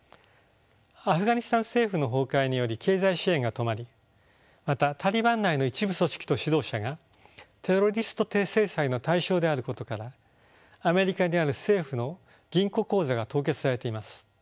アフガニスタン政府の崩壊により経済支援が止まりまたタリバン内の一部組織と指導者がテロリスト制裁の対象であることからアメリカにある政府の銀行口座が凍結されています。